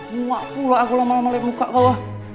muak pula aku malah melihat muka kau